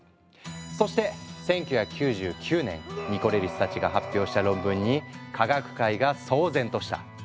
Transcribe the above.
そして１９９９年ニコレリスたちが発表した論文に科学界が騒然とした。